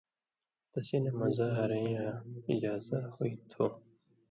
تسی نہ مزہ ہرَیں یاں اِجازہ ہُوئ تھُو